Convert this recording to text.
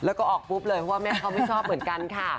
แล้วก็ออกปุ๊บเลยเพราะว่าแม่เขาไม่ชอบเหมือนกันค่ะ